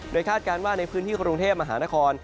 คาดการณ์ว่าในพื้นที่กรุงเทพมหานคร